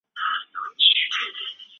两到三周后雏鸟就会破壳而出。